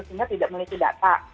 sehingga tidak memiliki data